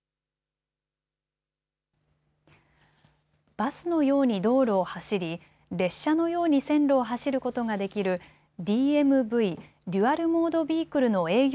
バスのように道路を走り列車のように線路を走ることができるＤＭＶ・デュアル・モード・ビークルの営業